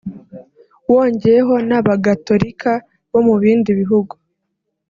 wongeyeho n’abagatolika bo mu bindi bihugu